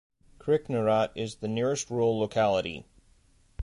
Kryknarat is the nearest rural locality.